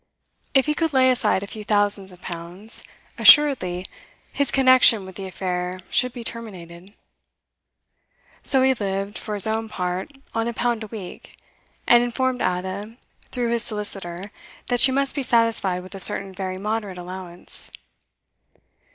If he could lay aside a few thousands of pounds, assuredly his connection with the affair should be terminated. So he lived, for his own part, on a pound a week, and informed Ada through his solicitor that she must be satisfied with a certain very moderate allowance.